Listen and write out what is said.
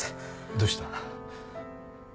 どうした？